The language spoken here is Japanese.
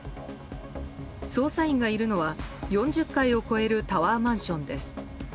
捜査員がいるのは４０階を超えるタワーマンションです。